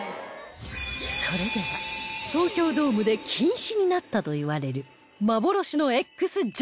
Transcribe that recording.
それでは東京ドームで禁止になったといわれる幻の Ｘ ジャンプどうぞ